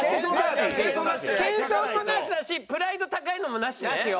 謙遜もなしだしプライド高いのもなしね。